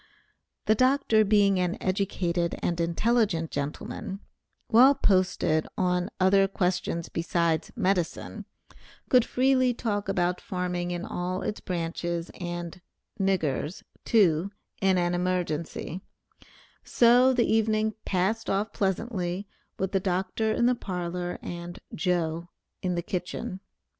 The Dr. being an educated and intelligent gentleman, well posted on other questions besides medicine, could freely talk about farming in all its branches, and "niggers" too, in an emergency, so the evening passed off pleasantly with the Dr. in the parlor, and "Joe" in the kitchen.